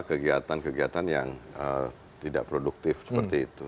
kegiatan kegiatan yang tidak produktif seperti itu